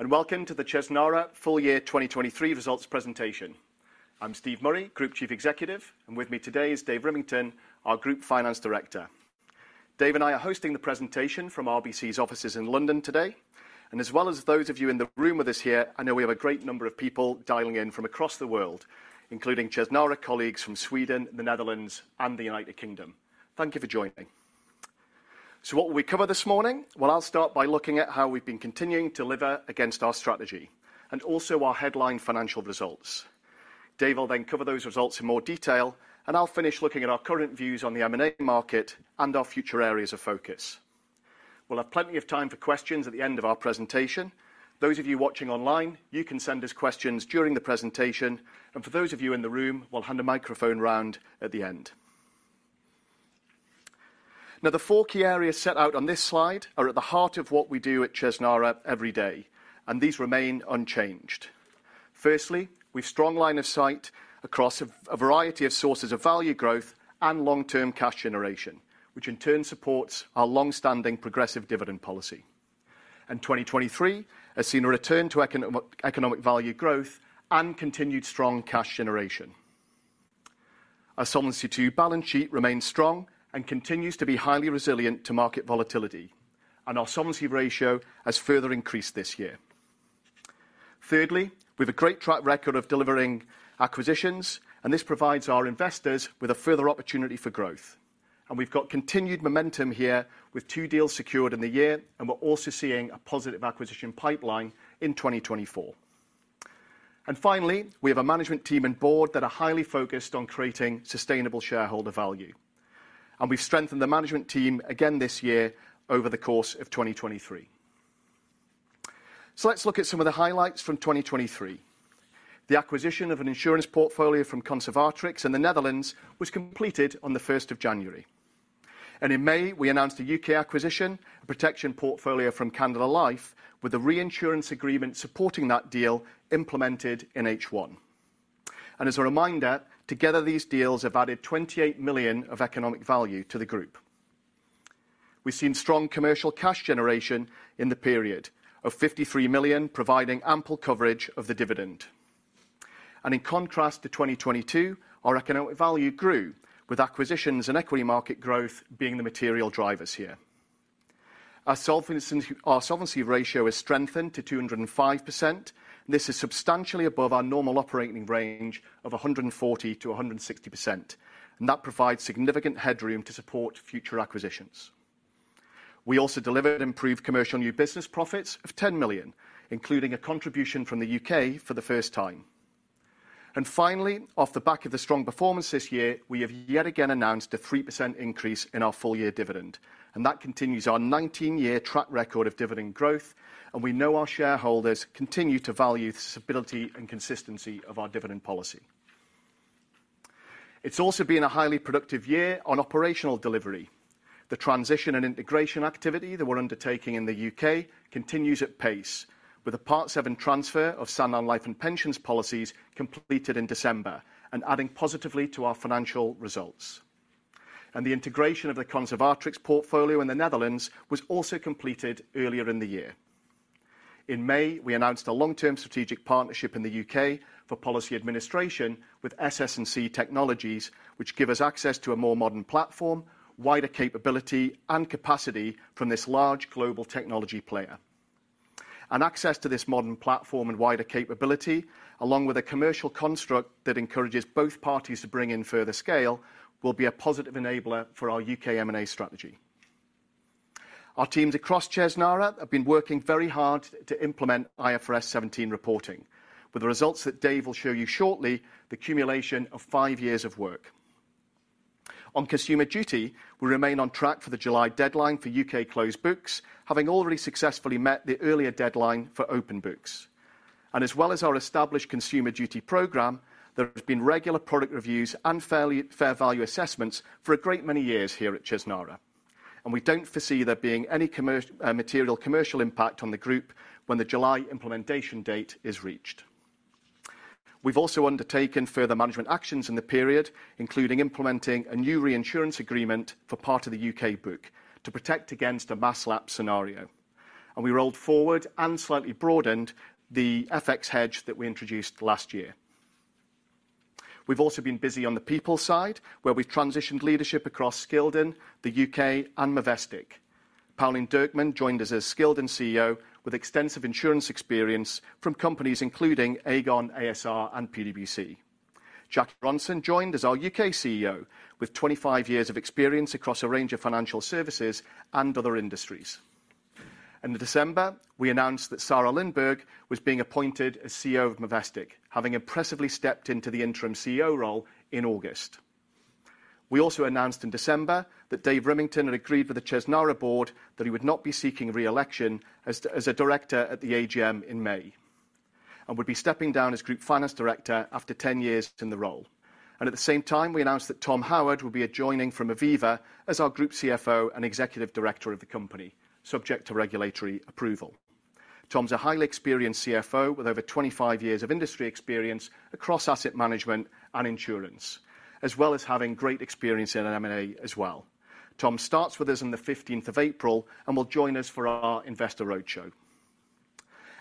Good morning. Welcome to the Chesnara Full Year 2023 Results Presentation. I'm Steve Murray, Group Chief Executive, and with me today is Dave Rimmington, our Group Finance Director. Dave and I are hosting the presentation from RBC's offices in London today, and as well as those of you in the room with us here, I know we have a great number of people dialing in from across the world, including Chesnara colleagues from Sweden, the Netherlands, and the United Kingdom. Thank you for joining. So what will we cover this morning? Well, I'll start by looking at how we've been continuing to deliver against our strategy, and also our headline financial results. Dave will then cover those results in more detail, and I'll finish looking at our current views on the M&A market and our future areas of focus. We'll have plenty of time for questions at the end of our presentation. Those of you watching online, you can send us questions during the presentation, and for those of you in the room, we'll hand a microphone round at the end. Now, the four key areas set out on this slide are at the heart of what we do at Chesnara every day, and these remain unchanged. Firstly, we've strong line of sight across a variety of sources of value growth and long-term cash generation, which in turn supports our longstanding progressive dividend policy. 2023 has seen a return to Economic Value growth and continued strong cash generation. Our Solvency II balance sheet remains strong and continues to be highly resilient to market volatility, and our Solvency II ratio has further increased this year. Thirdly, we have a great track record of delivering acquisitions, and this provides our investors with a further opportunity for growth. We've got continued momentum here with two deals secured in the year, and we're also seeing a positive acquisition pipeline in 2024. Finally, we have a management team and board that are highly focused on creating sustainable shareholder value, and we've strengthened the management team again this year over the course of 2023. So let's look at some of the highlights from 2023. The acquisition of an insurance portfolio from Conservatrix in the Netherlands was completed on the 1st of January. In May, we announced a U.K. acquisition, a protection portfolio from Canada Life with a reinsurance agreement supporting that deal implemented in H1. As a reminder, together these deals have added 28 million of Economic Value to the group. We've seen strong commercial cash generation in the period of 53 million, providing ample coverage of the dividend. In contrast to 2022, our Economic Value grew, with acquisitions and equity market growth being the material drivers here. Our solvency ratio is strengthened to 205%. This is substantially above our normal operating range of 140%-160%, and that provides significant headroom to support future acquisitions. We also delivered improved commercial new business profits of 10 million, including a contribution from the U.K. for the first time. Finally, off the back of the strong performance this year, we have yet again announced a 3% increase in our full year dividend, and that continues our 19-year track record of dividend growth, and we know our shareholders continue to value the stability and consistency of our dividend policy. It's also been a highly productive year on operational delivery. The transition and integration activity that we're undertaking in the U.K. continues at pace, with a Part VII transfer of Sanlam Life and Pensions policies completed in December, and adding positively to our financial results. And the integration of the Conservatrix portfolio in the Netherlands was also completed earlier in the year. In May, we announced a long-term strategic partnership in the U.K. for policy administration with SS&C Technologies, which gives us access to a more modern platform, wider capability, and capacity from this large global technology player. And access to this modern platform and wider capability, along with a commercial construct that encourages both parties to bring in further scale, will be a positive enabler for our U.K. M&A strategy. Our teams across Chesnara have been working very hard to implement IFRS 17 reporting, with the results that Dave will show you shortly, the accumulation of five years of work. On Consumer Duty, we remain on track for the July deadline for U.K. closed books, having already successfully met the earlier deadline for open books. As well as our established Consumer Duty program, there have been regular product reviews and fair value assessments for a great many years here at Chesnara. We don't foresee there being any material commercial impact on the group when the July implementation date is reached. We've also undertaken further management actions in the period, including implementing a new reinsurance agreement for part of the U.K. book to protect against a mass lapse scenario. We rolled forward and slightly broadened the FX hedge that we introduced last year. We've also been busy on the people side, where we've transitioned leadership across Scildon, the U.K., and Movestic. Pauline Derkman joined us as Scildon CEO, with extensive insurance experience from companies including Aegon, a.s.r., and PwC. Jackie Ronson joined as our U.K. CEO, with 25 years of experience across a range of financial services and other industries. And in December, we announced that Sara Lindberg was being appointed as CEO of Movestic, having impressively stepped into the interim CEO role in August. We also announced in December that Dave Rimmington had agreed with the Chesnara board that he would not be seeking reelection as a director at the AGM in May, and would be stepping down as Group Finance Director after 10 years in the role. And at the same time, we announced that Tom Howard would be joining from Aviva as our Group CFO and Executive Director of the company, subject to regulatory approval. Tom's a highly experienced CFO with over 25 years of industry experience across asset management and insurance, as well as having great experience in M&A as well. Tom starts with us on the 15th of April and will join us for our investor roadshow.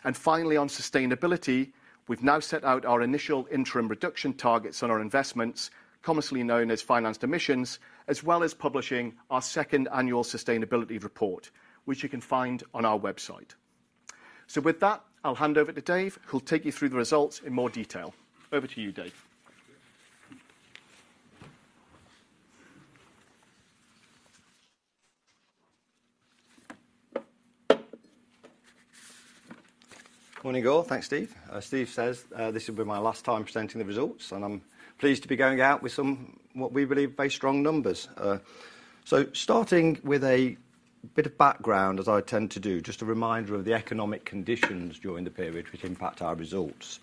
And finally, on sustainability, we've now set out our initial interim reduction targets on our investments, commonly known as financed emissions, as well as publishing our second annual sustainability report, which you can find on our website. So with that, I'll hand over to Dave, who'll take you through the results in more detail. Over to you, Dave. Morning, all. Thanks, Steve. Steve says this will be my last time presenting the results, and I'm pleased to be going out with somewhat we believe very strong numbers. So starting with a bit of background, as I tend to do, just a reminder of the economic conditions during the period which impact our results.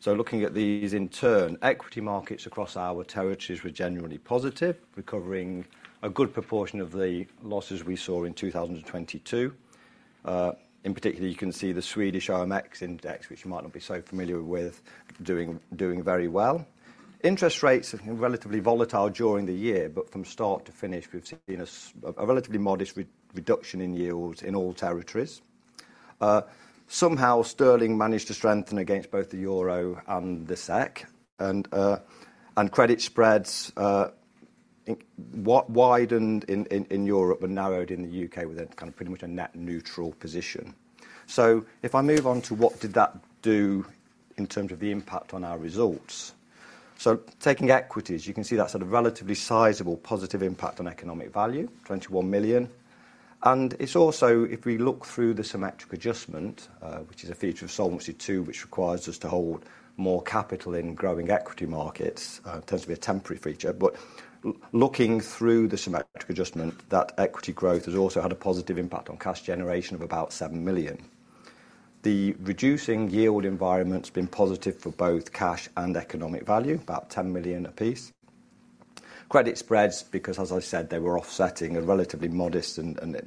So looking at these in turn, equity markets across our territories were generally positive, recovering a good proportion of the losses we saw in 2022. In particular, you can see the Swedish OMX index, which you might not be so familiar with, doing very well. Interest rates have been relatively volatile during the year, but from start to finish, we've seen a relatively modest reduction in yields in all territories. Somehow, sterling managed to strengthen against both the EUR and the SEK, and credit spreads widened in Europe and narrowed in the U.K., with kind of pretty much a net neutral position. So if I move on to what did that do in terms of the impact on our results? So taking equities, you can see that's had a relatively sizable positive impact on Economic Value, 21 million. And it's also, if we look through the Symmetric Adjustment, which is a feature of Solvency II, which requires us to hold more capital in growing equity markets, tends to be a temporary feature. But looking through the Symmetric Adjustment, that equity growth has also had a positive impact on cash generation of about 7 million. The reducing yield environment's been positive for both cash and Economic Value, about 10 million apiece. Credit spreads, because as I said, they were offsetting a relatively modest and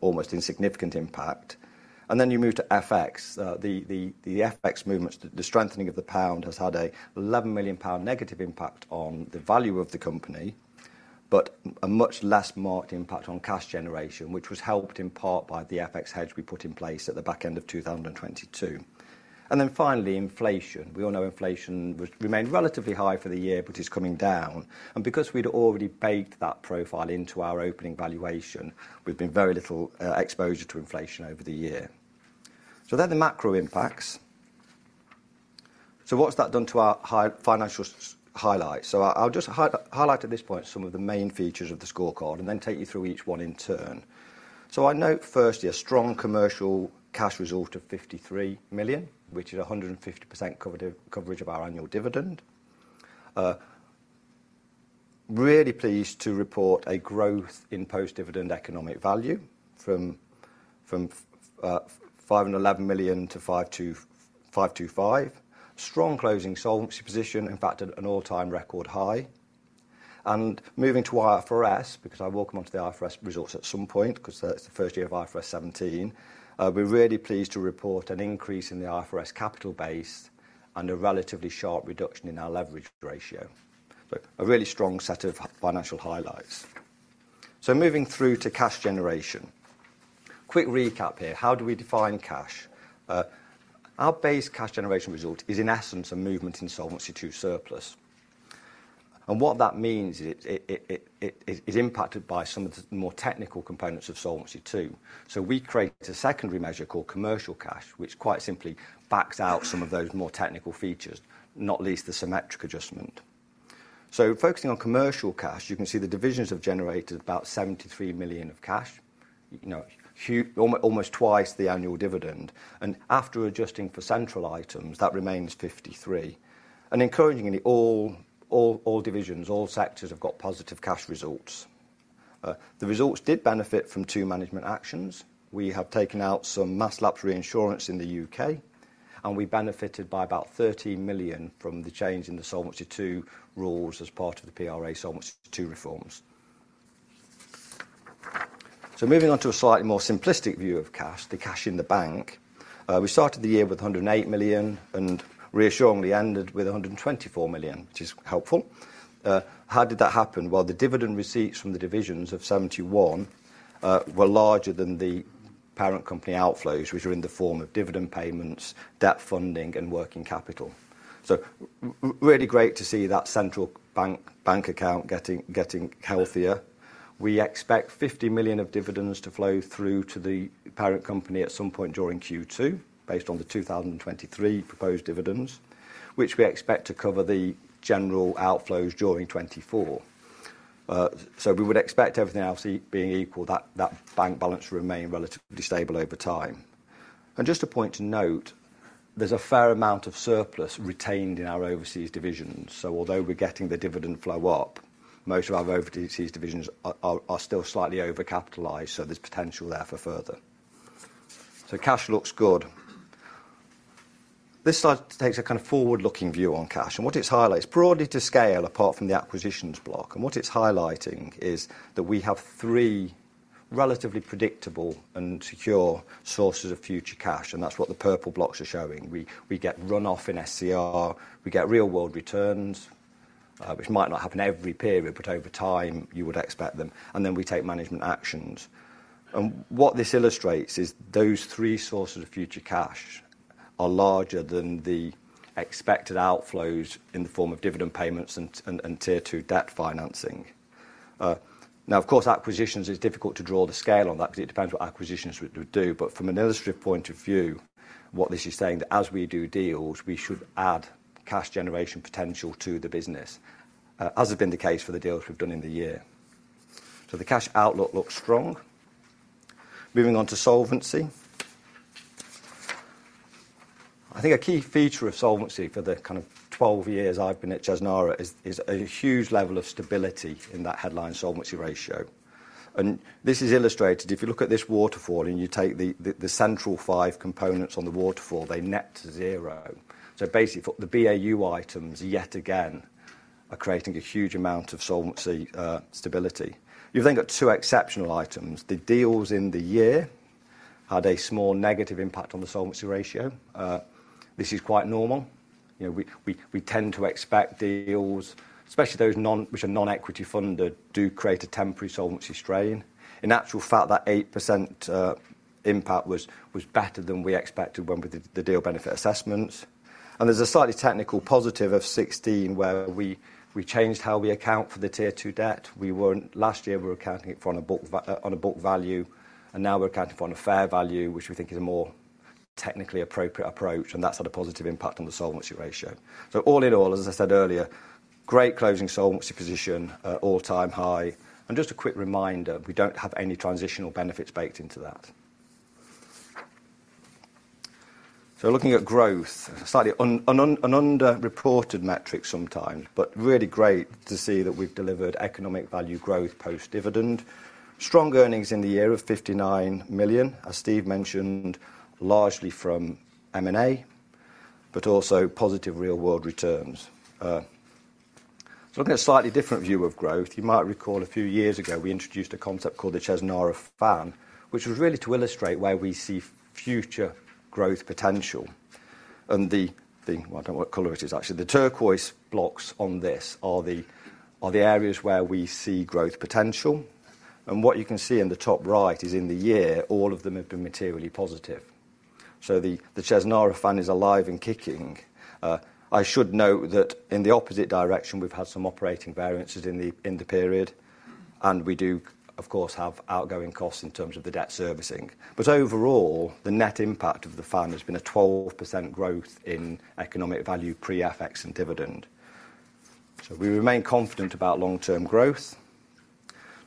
almost insignificant impact. And then you move to FX. The FX movements, the strengthening of the pound, has had a 11 million pound negative impact on the value of the company, but a much less marked impact on cash generation, which was helped in part by the FX hedge we put in place at the back end of 2022. And then finally, inflation. We all know inflation remained relatively high for the year, but it's coming down. And because we'd already baked that profile into our opening valuation, we've been very little exposure to inflation over the year. So they're the macro impacts. So what's that done to our financial highlights? So I'll just highlight at this point some of the main features of the scorecard and then take you through each one in turn. So I note firstly, a strong commercial cash result of 53 million, which is 150% coverage of our annual dividend. Really pleased to report a growth in post-dividend Economic Value from 511 million to 525 million. Strong closing solvency position, in fact, at an all-time record high. Moving to IFRS, because I'll walk onto the IFRS results at some point, because it's the first year of IFRS 17, we're really pleased to report an increase in the IFRS capital base and a relatively sharp reduction in our leverage ratio. So a really strong set of financial highlights. Moving through to cash generation. Quick recap here. How do we define cash? Our base cash generation result is, in essence, a movement in Solvency II surplus. What that means is it's impacted by some of the more technical components of Solvency II. So we create a secondary measure called commercial cash, which quite simply backs out some of those more technical features, not least the Symmetric Adjustment. So focusing on commercial cash, you can see the divisions have generated about 73 million of cash, almost twice the annual dividend. And after adjusting for central items, that remains 53 million. And encouragingly, all divisions, all sectors have got positive cash results. The results did benefit from two management actions. We have taken out some Mass Lapse reinsurance in the U.K., and we benefited by about 30 million from the change in the Solvency II rules as part of the PRA Solvency II reforms. So moving on to a slightly more simplistic view of cash, the cash in the bank. We started the year with 108 million and reassuringly ended with 124 million, which is helpful. How did that happen? Well, the dividend receipts from the divisions of 2021 were larger than the parent company outflows, which are in the form of dividend payments, debt funding, and working capital. So really great to see that central bank account getting healthier. We expect 50 million of dividends to flow through to the parent company at some point during Q2, based on the 2023 proposed dividends, which we expect to cover the general outflows during 2024. So we would expect everything else being equal, that bank balance to remain relatively stable over time. And just a point to note, there's a fair amount of surplus retained in our overseas divisions. So although we're getting the dividend flow up, most of our overseas divisions are still slightly overcapitalized, so there's potential there for further. So cash looks good. This slide takes a kind of forward-looking view on cash. What it highlights, broadly to scale, apart from the acquisitions block, and what it's highlighting is that we have three relatively predictable and secure sources of future cash. And that's what the purple blocks are showing. We get runoff in SCR. We get real-world returns, which might not happen every period, but over time, you would expect them. And then we take management actions. And what this illustrates is those three sources of future cash are larger than the expected outflows in the form of dividend payments and Tier 2 debt financing. Now, of course, acquisitions, it's difficult to draw the scale on that because it depends what acquisitions would do. But from an illustrative point of view, what this is saying is that as we do deals, we should add cash generation potential to the business, as has been the case for the deals we've done in the year. So the cash outlook looks strong. Moving on to solvency. I think a key feature of solvency for the kind of 12 years I've been at Chesnara is a huge level of stability in that headline solvency ratio. And this is illustrated if you look at this waterfall and you take the central five components on the waterfall, they net to zero. So basically, the BAU items, yet again, are creating a huge amount of solvency stability. You've then got two exceptional items. The deals in the year had a small negative impact on the solvency ratio. This is quite normal. We tend to expect deals, especially those which are non-equity funded, do create a temporary solvency strain. In actual fact, that 8% impact was better than we expected when we did the deal benefit assessments. And there's a slightly technical positive of 2016, where we changed how we account for the Tier 2 debt. Last year, we were accounting it for on a book value, and now we're accounting for on a fair value, which we think is a more technically appropriate approach. And that's had a positive impact on the solvency ratio. So all in all, as I said earlier, great closing solvency position, all-time high. And just a quick reminder, we don't have any transitional benefits baked into that. So looking at growth, slightly an underreported metric sometimes, but really great to see that we've delivered Economic Value growth post-dividend. Strong earnings in the year of 59 million, as Steve mentioned, largely from M&A, but also positive real-world returns. So looking at a slightly different view of growth, you might recall a few years ago, we introduced a concept called the Chesnara Fan, which was really to illustrate where we see future growth potential. And, I don't know what color it is, actually. The turquoise blocks on this are the areas where we see growth potential. And what you can see in the top right is, in the year, all of them have been materially positive. So the Chesnara Fan is alive and kicking. I should note that in the opposite direction, we've had some operating variances in the period, and we do, of course, have outgoing costs in terms of the debt servicing. But overall, the net impact of the Fan has been a 12% growth in Economic Value pre-FX and dividend. So we remain confident about long-term growth.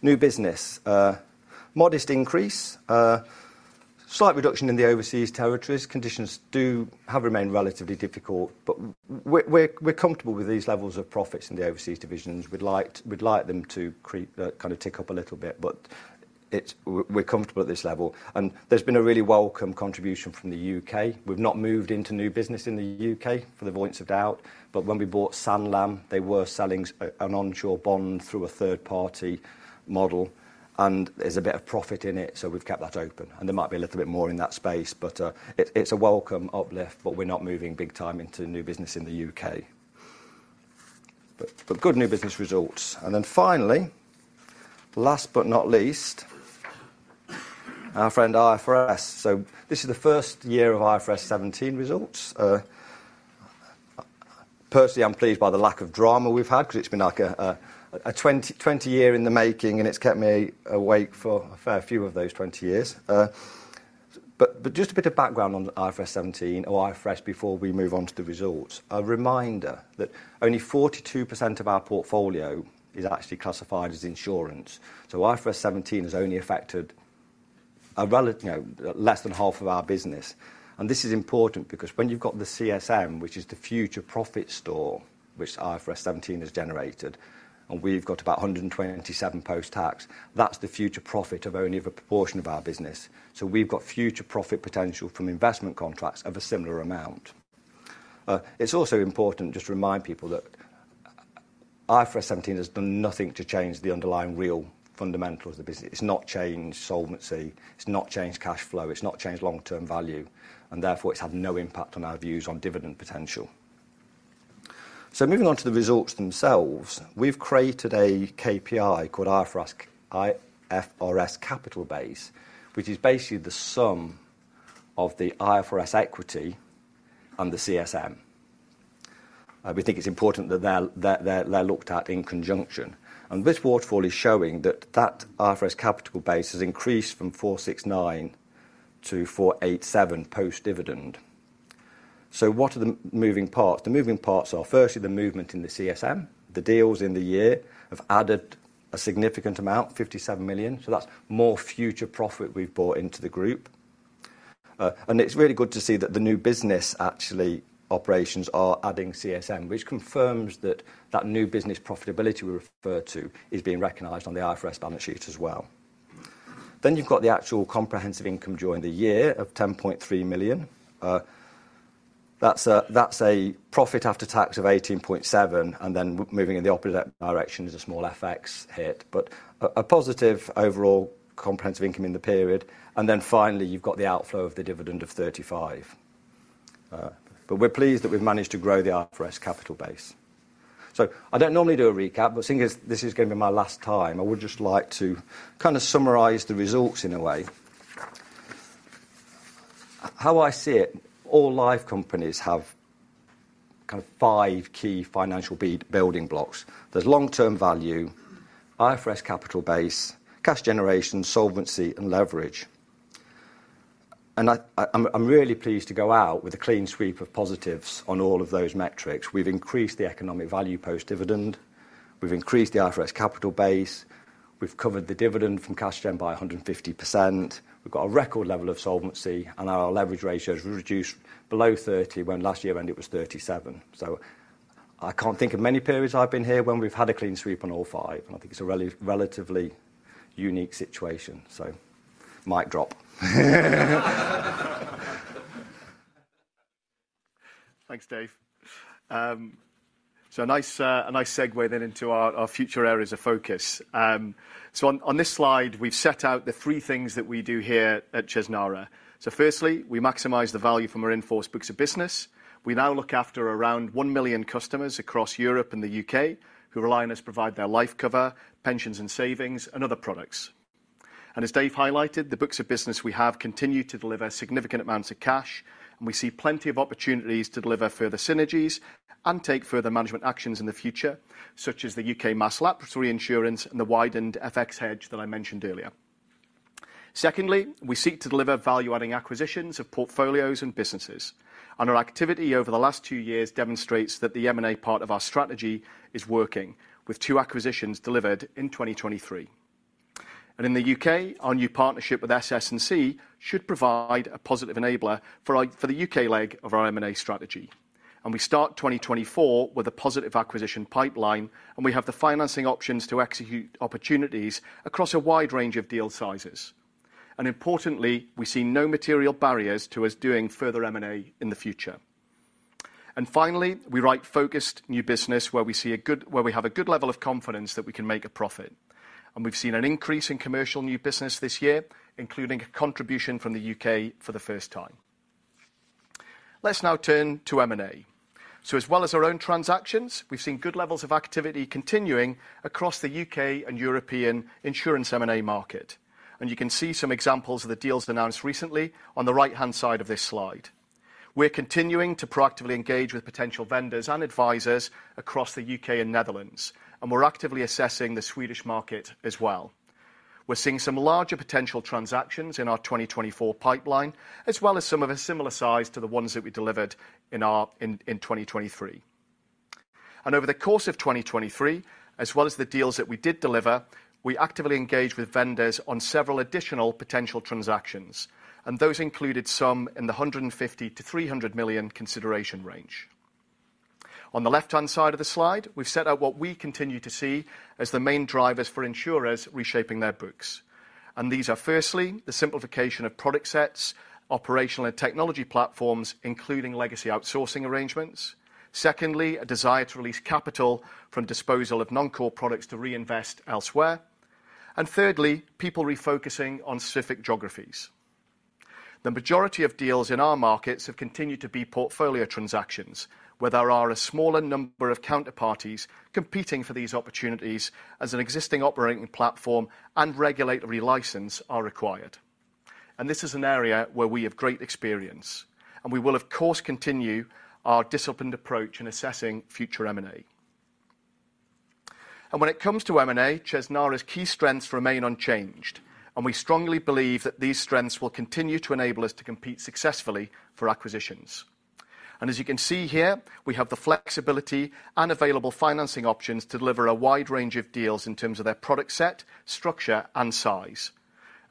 New business. Modest increase. Slight reduction in the overseas territories. Conditions do have remained relatively difficult, but we're comfortable with these levels of profits in the overseas divisions. We'd like them to kind of tick up a little bit, but we're comfortable at this level. And there's been a really welcome contribution from the U.K.. We've not moved into new business in the U.K., for the avoidance of doubt. But when we bought Sanlam, they were selling an onshore bond through a third-party model. And there's a bit of profit in it, so we've kept that open. And there might be a little bit more in that space, but it's a welcome uplift. But we're not moving big time into new business in the U.K. But good new business results. And then finally, last but not least, our friend IFRS. So this is the first year of IFRS 17 results. Personally, I'm pleased by the lack of drama we've had because it's been like a 20-year in the making, and it's kept me awake for a fair few of those 20 years. But just a bit of background on IFRS 17 or IFRS before we move on to the results. A reminder that only 42% of our portfolio is actually classified as insurance. So IFRS 17 has only affected less than half of our business. And this is important because when you've got the CSM, which is the future profit store which IFRS 17 has generated, and we've got about 127 post-tax, that's the future profit of only a proportion of our business. So we've got future profit potential from investment contracts of a similar amount. It's also important to just remind people that IFRS 17 has done nothing to change the underlying real fundamentals of the business. It's not changed solvency. It's not changed cash flow. It's not changed long-term value. And therefore, it's had no impact on our views on dividend potential. So moving on to the results themselves, we've created a KPI called IFRS capital base, which is basically the sum of the IFRS equity and the CSM. We think it's important that they're looked at in conjunction. And this waterfall is showing that that IFRS capital base has increased from 469 to 487 post-dividend. So what are the moving parts? The moving parts are, firstly, the movement in the CSM. The deals in the year have added a significant amount, 57 million. So that's more future profit we've bought into the group. And it's really good to see that the new business, actually, operations are adding CSM, which confirms that that new business profitability we refer to is being recognized on the IFRS balance sheet as well. Then you've got the actual comprehensive income during the year of 10.3 million. That's a profit after tax of 18.7 million. And then moving in the opposite direction is a small FX hit, but a positive overall comprehensive income in the period. And then finally, you've got the outflow of the dividend of 35 million. But we're pleased that we've managed to grow the IFRS capital base. So I don't normally do a recap, but seeing as this is going to be my last time, I would just like to kind of summarize the results in a way. How I see it, all live companies have kind of 5 key financial building blocks. There's long-term value, IFRS capital base, cash generation, solvency, and leverage. And I'm really pleased to go out with a clean sweep of positives on all of those metrics. We've increased the Economic Value post-dividend. We've increased the IFRS capital base. We've covered the dividend from cash gen by 150%. We've got a record level of solvency, and our leverage ratios were reduced below 30 when last year ended with 37. So I can't think of many periods I've been here when we've had a clean sweep on all 5. And I think it's a relatively unique situation. So mic drop. Thanks, Dave. So a nice segue then into our future areas of focus. So on this slide, we've set out the three things that we do here at Chesnara. So firstly, we maximize the value from our in-force books of business. We now look after around 1 million customers across Europe and the U.K. who rely on us to provide their life cover, pensions and savings, and other products. And as Dave highlighted, the books of business we have continue to deliver significant amounts of cash, and we see plenty of opportunities to deliver further synergies and take further management actions in the future, such as the U.K. mass lapse reinsurance and the widened FX hedge that I mentioned earlier. Secondly, we seek to deliver value-adding acquisitions of portfolios and businesses. Our activity over the last two years demonstrates that the M&A part of our strategy is working, with two acquisitions delivered in 2023. And in the U.K., our new partnership with SS&C should provide a positive enabler for the U.K. leg of our M&A strategy. And we start 2024 with a positive acquisition pipeline, and we have the financing options to execute opportunities across a wide range of deal sizes. And importantly, we see no material barriers to us doing further M&A in the future. And finally, we write focused new business where we have a good level of confidence that we can make a profit. And we've seen an increase in commercial new business this year, including a contribution from the U.K. for the first time. Let's now turn to M&A. So as well as our own transactions, we've seen good levels of activity continuing across the U.K. and European insurance M&A market. And you can see some examples of the deals announced recently on the right-hand side of this slide. We're continuing to proactively engage with potential vendors and advisors across the U.K. and Netherlands, and we're actively assessing the Swedish market as well. We're seeing some larger potential transactions in our 2024 pipeline, as well as some of a similar size to the ones that we delivered in 2023. And over the course of 2023, as well as the deals that we did deliver, we actively engaged with vendors on several additional potential transactions. And those included some in the 150 million-300 million consideration range. On the left-hand side of the slide, we've set out what we continue to see as the main drivers for insurers reshaping their books. These are, firstly, the simplification of product sets, operational and technology platforms, including legacy outsourcing arrangements. Secondly, a desire to release capital from disposal of non-core products to reinvest elsewhere. Thirdly, people refocusing on specific geographies. The majority of deals in our markets have continued to be portfolio transactions, where there are a smaller number of counterparties competing for these opportunities as an existing operating platform and regulatory license are required. This is an area where we have great experience. We will, of course, continue our disciplined approach in assessing future M&A. When it comes to M&A, Chesnara's key strengths remain unchanged. We strongly believe that these strengths will continue to enable us to compete successfully for acquisitions. As you can see here, we have the flexibility and available financing options to deliver a wide range of deals in terms of their product set, structure, and size.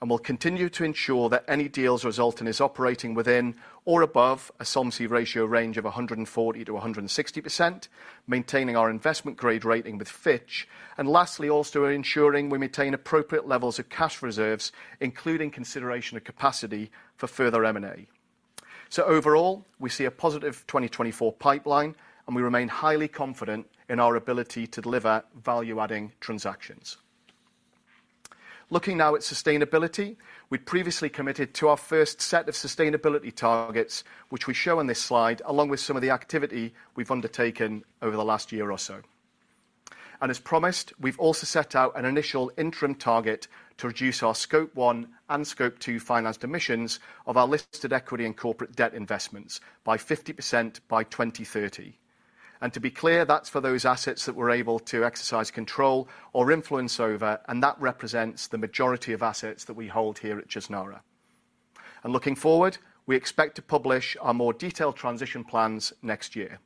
We'll continue to ensure that any deals result in us operating within or above a solvency ratio range of 140%-160%, maintaining our investment-grade rating with Fitch. Lastly, also ensuring we maintain appropriate levels of cash reserves, including consideration of capacity for further M&A. Overall, we see a positive 2024 pipeline, and we remain highly confident in our ability to deliver value-adding transactions. Looking now at sustainability, we'd previously committed to our first set of sustainability targets, which we show on this slide, along with some of the activity we've undertaken over the last year or so. As promised, we've also set out an initial interim target to reduce our Scope 1 and 2 Financed Emissions of our listed equity and corporate debt investments by 50% by 2030. To be clear, that's for those assets that we're able to exercise control or influence over, and that represents the majority of assets that we hold here at Chesnara. Looking forward, we expect to publish our more detailed transition plans next year.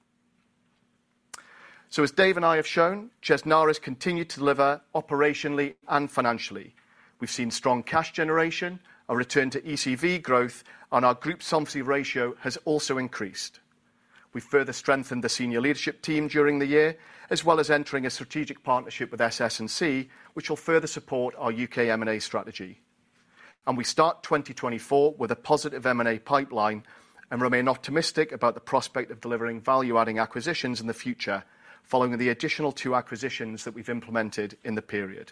As Dave and I have shown, Chesnara has continued to deliver operationally and financially. We've seen strong cash generation, a return to EcV growth, and our group solvency ratio has also increased. We've further strengthened the senior leadership team during the year, as well as entering a strategic partnership with SS&C, which will further support our U.K. M&A strategy. We start 2024 with a positive M&A pipeline and remain optimistic about the prospect of delivering value-adding acquisitions in the future, following the additional two acquisitions that we've implemented in the period.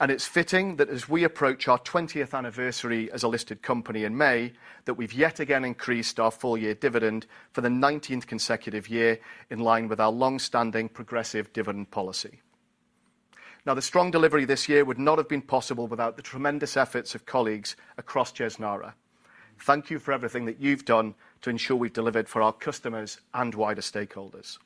It's fitting that, as we approach our 20th anniversary as a listed company in May, that we've yet again increased our full-year dividend for the 19th consecutive year in line with our longstanding progressive dividend policy. Now, the strong delivery this year would not have been possible without the tremendous efforts of colleagues across Chesnara. Thank you for everything that you've done to ensure we've delivered for our customers and wider stakeholders.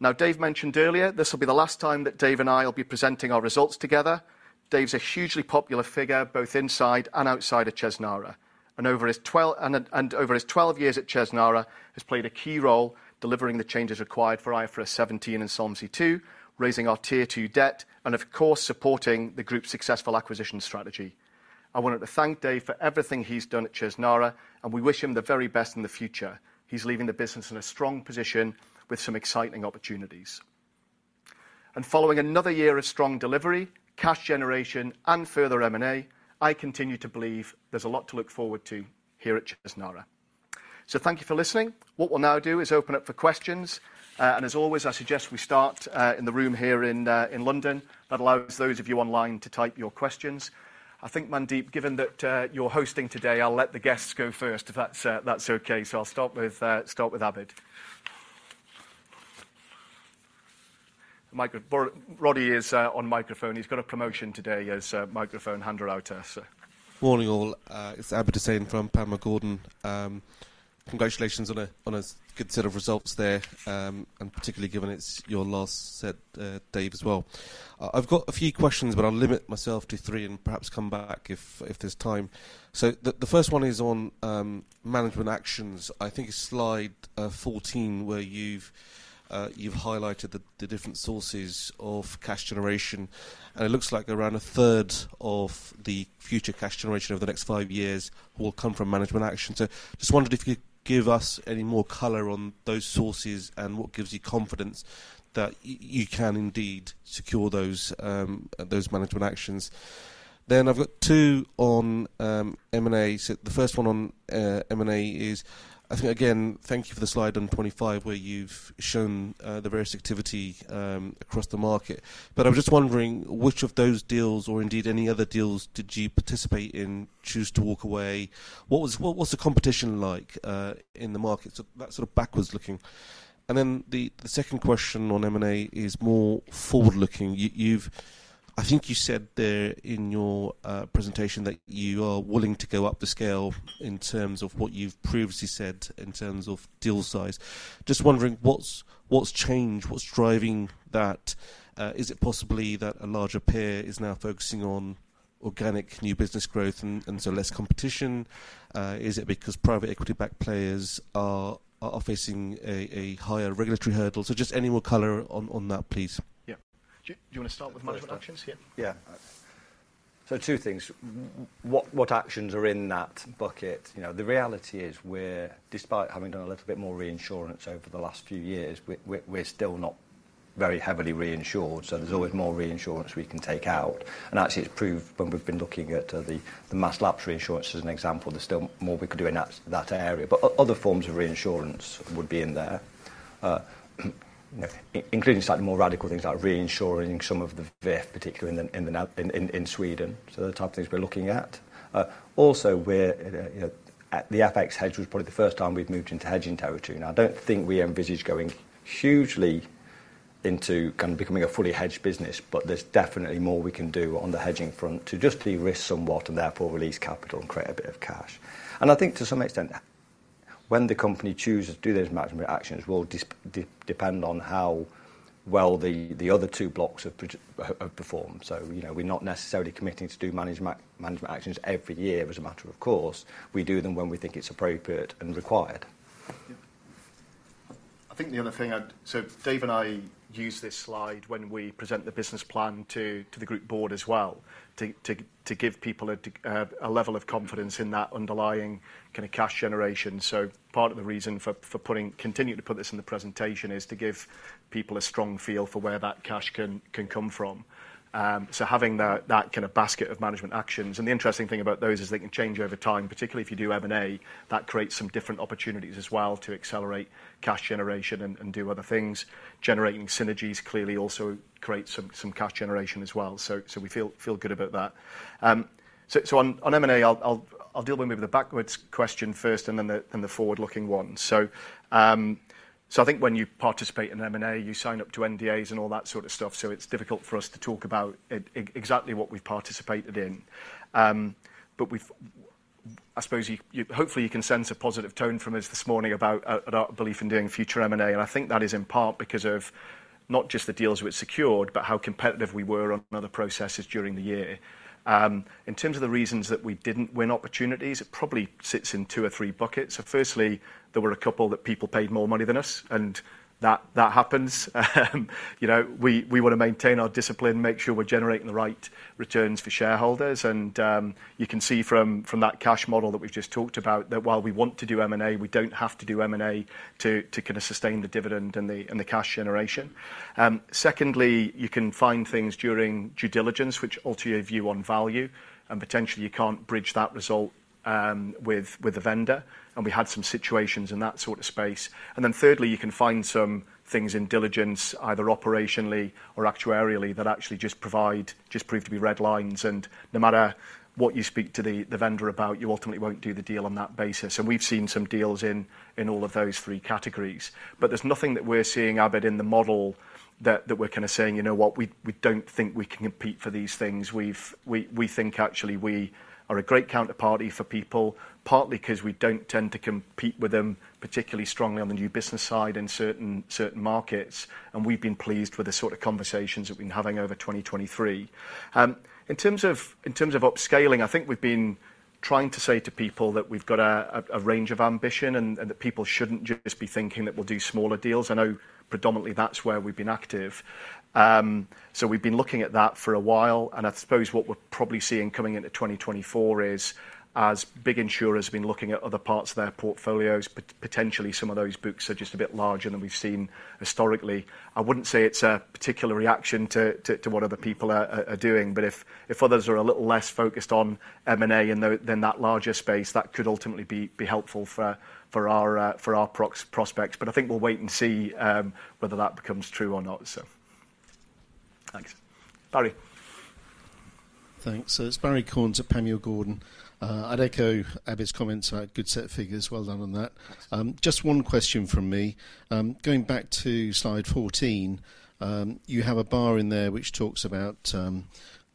Now, Dave mentioned earlier this will be the last time that Dave and I will be presenting our results together. Dave's a hugely popular figure both inside and outside of Chesnara. Over his 12 years at Chesnara, he's played a key role delivering the changes required for IFRS 17 and Solvency II, raising our Tier 2 debt, and of course, supporting the group's successful acquisition strategy. I wanted to thank Dave for everything he's done at Chesnara, and we wish him the very best in the future. He's leaving the business in a strong position with some exciting opportunities. Following another year of strong delivery, cash generation, and further M&A, I continue to believe there's a lot to look forward to here at Chesnara. So thank you for listening. What we'll now do is open up for questions. As always, I suggest we start in the room here in London. That allows those of you online to type your questions. I think, Mandeep, given that you're hosting today, I'll let the guests go first, if that's OK. I'll start with Abid. Roddy is on microphone. He's got a promotion today as microphone handler. Morning, all. It's Abid Hussain from Panmure Gordon. Congratulations on a good set of results there, and particularly given it's your last set, Dave, as well. I've got a few questions, but I'll limit myself to three and perhaps come back if there's time. So the first one is on management actions. I think it's slide 14 where you've highlighted the different sources of cash generation. And it looks like around a third of the future cash generation over the next five years will come from management actions. So just wondered if you could give us any more color on those sources and what gives you confidence that you can indeed secure those management actions. Then I've got two on M&A. So the first one on M&A is, I think, again, thank you for the slide on 25 where you've shown the various activity across the market. But I was just wondering, which of those deals, or indeed any other deals, did you participate in, choose to walk away? What was the competition like in the market? So that's sort of backwards looking. And then the second question on M&A is more forward-looking. I think you said there in your presentation that you are willing to go up the scale in terms of what you've previously said in terms of deal size. Just wondering, what's changed? What's driving that? Is it possibly that a larger peers is now focusing on organic new business growth and so less competition? Is it because private equity-backed players are facing a higher regulatory hurdle? So just any more color on that, please. Yeah. Do you want to start with management actions here? Yeah. So two things. What actions are in that bucket? The reality is, despite having done a little bit more reinsurance over the last few years, we're still not very heavily reinsured. So there's always more reinsurance we can take out. And actually, it's proved when we've been looking at the mass lapse reinsurance as an example, there's still more we could do in that area. But other forms of reinsurance would be in there, including slightly more radical things like reinsuring some of the VIF, particularly in Sweden. So the type of things we're looking at. Also, the FX hedge was probably the first time we've moved into hedging territory. Now, I don't think we envisage going hugely into kind of becoming a fully hedged business, but there's definitely more we can do on the hedging front to just de-risk somewhat and therefore release capital and create a bit of cash. And I think, to some extent, when the company chooses to do those management actions, will depend on how well the other two blocks have performed. So we're not necessarily committing to do management actions every year as a matter of course. We do them when we think it's appropriate and required. I think the other thing I'd say, Dave, and I use this slide when we present the business plan to the group board as well to give people a level of confidence in that underlying kind of cash generation. So part of the reason for continuing to put this in the presentation is to give people a strong feel for where that cash can come from. So having that kind of basket of management actions and the interesting thing about those is they can change over time. Particularly if you do M&A, that creates some different opportunities as well to accelerate cash generation and do other things. Generating synergies clearly also creates some cash generation as well. So we feel good about that. So on M&A, I'll deal with maybe the backward question first and then the forward-looking one. So I think when you participate in M&A, you sign up to NDAs and all that sort of stuff. So it's difficult for us to talk about exactly what we've participated in. But I suppose hopefully, you can sense a positive tone from us this morning about our belief in doing future M&A. And I think that is in part because of not just the deals we'd secured, but how competitive we were on other processes during the year. In terms of the reasons that we didn't win opportunities, it probably sits in two or three buckets. So firstly, there were a couple that people paid more money than us. And that happens. We want to maintain our discipline, make sure we're generating the right returns for shareholders. And you can see from that cash model that we've just talked about that while we want to do M&A, we don't have to do M&A to kind of sustain the dividend and the cash generation. Secondly, you can find things during due diligence, which alter your view on value. And potentially, you can't bridge that result with a vendor. And we had some situations in that sort of space. And then thirdly, you can find some things in diligence, either operationally or actuarially, that actually just prove to be red lines. And no matter what you speak to the vendor about, you ultimately won't do the deal on that basis. And we've seen some deals in all of those three categories. But there's nothing that we're seeing, Abid, in the model that we're kind of saying, you know what? We don't think we can compete for these things. We think, actually, we are a great counterparty for people, partly because we don't tend to compete with them particularly strongly on the new business side in certain markets. We've been pleased with the sort of conversations that we've been having over 2023. In terms of upscaling, I think we've been trying to say to people that we've got a range of ambition and that people shouldn't just be thinking that we'll do smaller deals. I know predominantly, that's where we've been active. We've been looking at that for a while. I suppose what we're probably seeing coming into 2024 is, as big insurers have been looking at other parts of their portfolios, potentially some of those books are just a bit larger than we've seen historically. I wouldn't say it's a particular reaction to what other people are doing. But if others are a little less focused on M&A and then that larger space, that could ultimately be helpful for our prospects. But I think we'll wait and see whether that becomes true or not. Thanks. Barrie. Thanks. So it's Barrie Cornes at Panmure Gordon. I'd echo Abid's comments about a good set of figures. Well done on that. Just one question from me. Going back to slide 14, you have a bar in there which talks about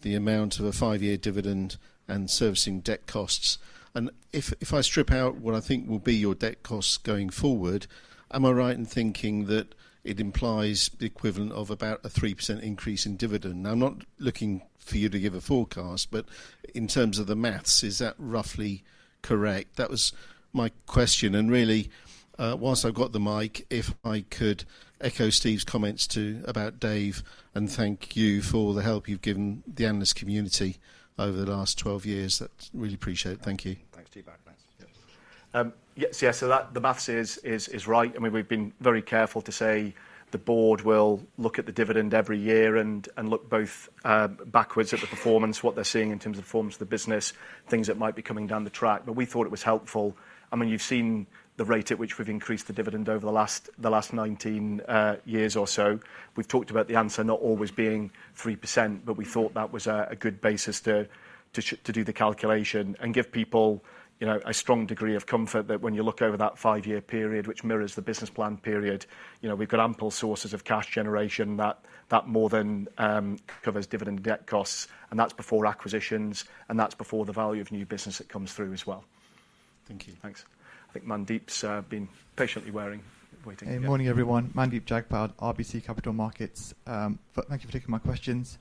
the amount of a five-year dividend and servicing debt costs. And if I strip out what I think will be your debt costs going forward, am I right in thinking that it implies the equivalent of about a 3% increase in dividend? Now, I'm not looking for you to give a forecast. But in terms of the math, is that roughly correct? That was my question. And really, while I've got the mic, if I could echo Steve's comments about Dave and thank you for the help you've given the analyst community over the last 12 years, that's really appreciated. Thank you. Thanks, Steve. Thanks. Yes. So yes, the math is right. I mean, we've been very careful to say the board will look at the dividend every year and look both backwards at the performance, what they're seeing in terms of performance of the business, things that might be coming down the track. But we thought it was helpful. I mean, you've seen the rate at which we've increased the dividend over the last 19 years or so. We've talked about the answer not always being 3%, but we thought that was a good basis to do the calculation and give people a strong degree of comfort that when you look over that five-year period, which mirrors the business plan period, we've got ample sources of cash generation that more than covers dividend debt costs. And that's before acquisitions. That's before the value of new business that comes through as well. Thank you. Thanks. I think Mandeep's been patiently waiting. Hey, morning, everyone. Mandeep Jagpal, RBC Capital Markets. Thank you for taking my questions.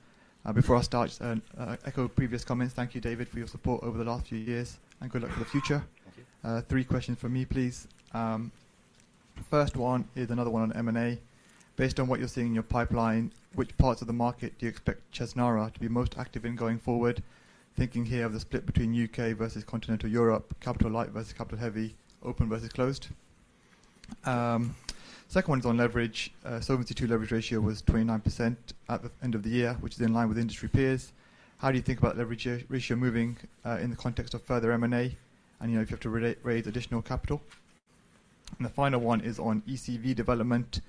Before I start, I'll echo previous comments. Thank you, David, for your support over the last few years. Good luck for the future. Thank you. Three questions from me, please. First one is another one on M&A. Based on what you're seeing in your pipeline, which parts of the market do you expect Chesnara to be most active in going forward, thinking here of the split between U.K. versus continental Europe, capital light versus capital heavy, open versus closed? Second one is on leverage. Solvency II leverage ratio was 29% at the end of the year, which is in line with industry peers. How do you think about leverage ratio moving in the context of further M&A and if you have to raise additional capital? And the final one is on EcV development.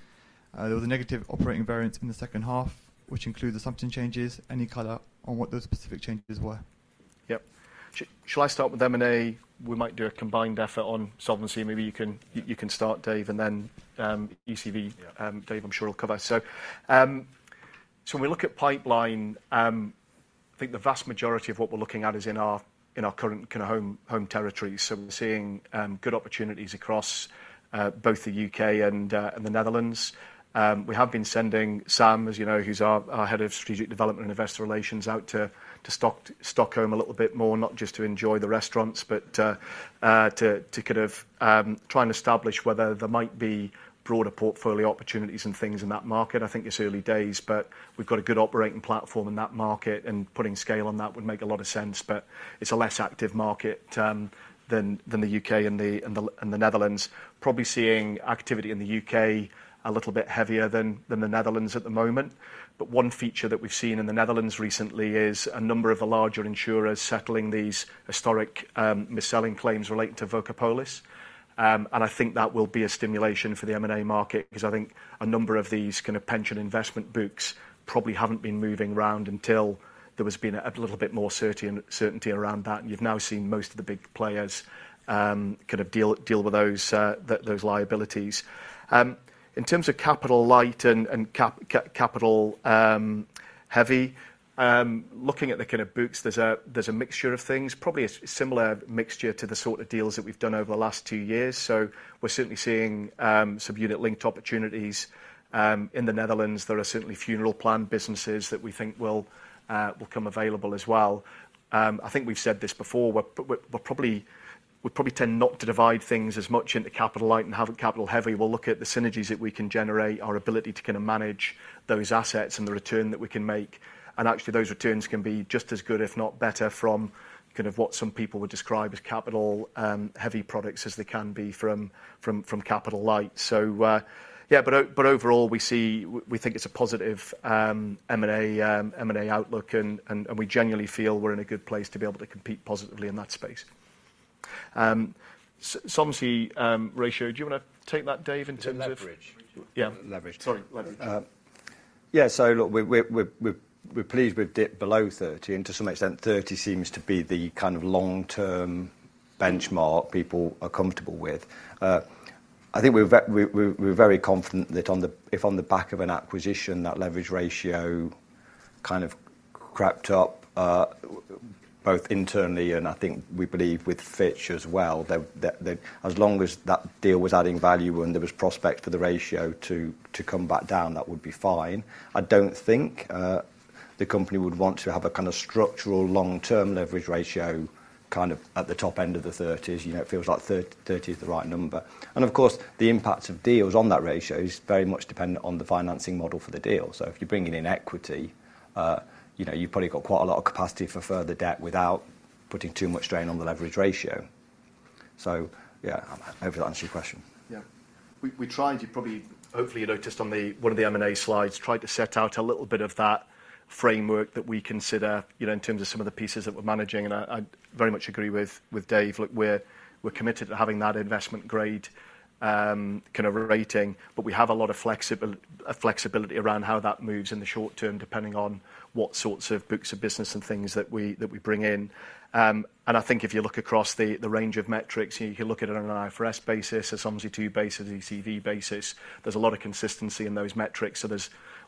There was a negative operating variance in the second half, which includes the assumption changes. Any color on what those specific changes were? Yep. Shall I start with M&A? We might do a combined effort on solvency. Maybe you can start, Dave, and then EcV. Dave, I'm sure he'll cover. So when we look at pipeline, I think the vast majority of what we're looking at is in our current kind of home territory. So we're seeing good opportunities across both the U.K. and the Netherlands. We have been sending Sam, as you know, who's our head of strategic development and investor relations, out to Stockholm a little bit more, not just to enjoy the restaurants, but to kind of try and establish whether there might be broader portfolio opportunities and things in that market. I think it's early days, but we've got a good operating platform in that market. And putting scale on that would make a lot of sense. But it's a less active market than the U.K. and the Netherlands, probably seeing activity in the U.K. a little bit heavier than the Netherlands at the moment. But one feature that we've seen in the Netherlands recently is a number of the larger insurers settling these historic mis-selling claims relating to Woekerpolis. And I think that will be a stimulation for the M&A market because I think a number of these kind of pension investment books probably haven't been moving around until there has been a little bit more certainty around that. And you've now seen most of the big players kind of deal with those liabilities. In terms of capital light and capital heavy, looking at the kind of books, there's a mixture of things, probably a similar mixture to the sort of deals that we've done over the last two years. So we're certainly seeing some unit-linked opportunities in the Netherlands. There are certainly funeral plan businesses that we think will come available as well. I think we've said this before. We probably tend not to divide things as much into capital light and capital heavy. We'll look at the synergies that we can generate, our ability to kind of manage those assets and the return that we can make. And actually, those returns can be just as good, if not better, from kind of what some people would describe as capital-heavy products as they can be from capital light. So yeah, but overall, we think it's a positive M&A outlook. And we genuinely feel we're in a good place to be able to compete positively in that space. Solvency ratio, do you want to take that, Dave, in terms of? Leverage. Yeah. Leverage. Sorry. Leverage. Yeah. So look, we're pleased we've dipped below 30. And to some extent, 30 seems to be the kind of long-term benchmark people are comfortable with. I think we're very confident that if on the back of an acquisition, that leverage ratio kind of crept up, both internally and I think we believe with Fitch as well, as long as that deal was adding value and there was prospects for the ratio to come back down, that would be fine. I don't think the company would want to have a kind of structural long-term leverage ratio kind of at the top end of the 30s. It feels like 30 is the right number. And of course, the impact of deals on that ratio is very much dependent on the financing model for the deal. If you're bringing in equity, you've probably got quite a lot of capacity for further debt without putting too much strain on the leverage ratio. So yeah, I hope that answers your question. Yeah. We tried. Hopefully, you noticed on one of the M&A slides, tried to set out a little bit of that framework that we consider in terms of some of the pieces that we're managing. And I very much agree with Dave. Look, we're committed to having that investment-grade kind of rating. But we have a lot of flexibility around how that moves in the short term, depending on what sorts of books of business and things that we bring in. And I think if you look across the range of metrics, you can look at it on an IFRS basis, a Solvency II basis, EcV basis. There's a lot of consistency in those metrics. So